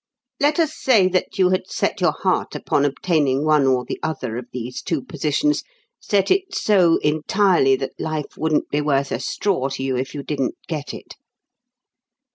Let us say that you had set your heart upon obtaining one or the other of these two positions set it so entirely that life wouldn't be worth a straw to you if you didn't get it.